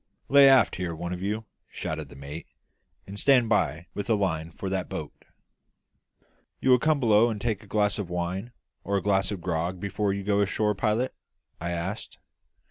"Lay aft here, one of you," shouted the mate, "and stand by with a line for that boat." "You will come below and take a glass of wine or a glass of grog before you go ashore, pilot?" I asked.